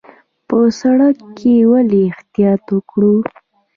په سړک کې ولې احتیاط وکړو؟